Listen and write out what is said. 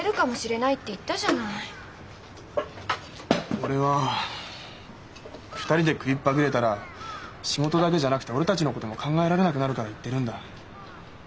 俺は２人で食いっぱぐれたら仕事だけじゃなくて俺たちのことも考えられなくなるから言ってるんだ。